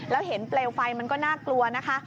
แล้วเห็นเปลวไฟมันก็น่ากลัวนะคะ